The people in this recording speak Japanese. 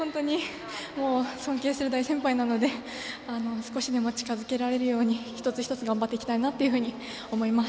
尊敬する大先輩なので少しでも近づけるように一つ一つ頑張っていきたいなと思います。